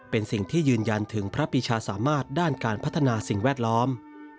เป็นสิ่งที่ยืนยันถึงพระปีชาสามารถด้านการพัฒนาสิ่งแวดล้อม